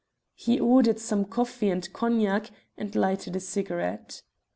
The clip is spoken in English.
He ordered some coffee and cognac, and lighted a cigarette.